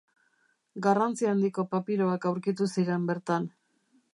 Garrantzi handiko papiroak aurkitu ziren bertan.